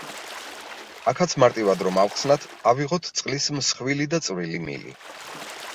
აქაც მარტივად რომ ავხსნათ, ავიღოთ წყლის მსხვილი და წვრილი მილი.